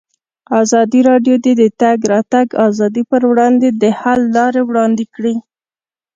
ازادي راډیو د د تګ راتګ ازادي پر وړاندې د حل لارې وړاندې کړي.